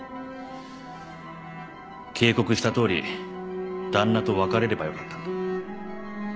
警告したとおり旦那と別れればよかったんだ。